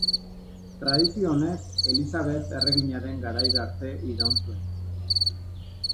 Tradizio honek Elisabet erreginaren garaira arte iraun zuen.